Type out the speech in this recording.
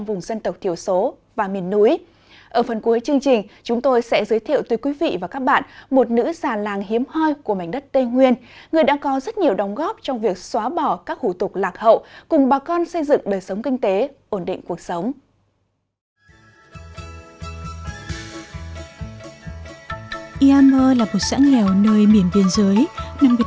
vâng xin cảm ơn ông đã tham gia chương trình ngày hôm nay